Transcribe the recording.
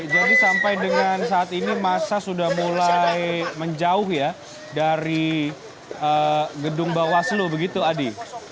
sampai dengan saat ini masa sudah mulai menjauh ya dari gedung bawaslu begitu adi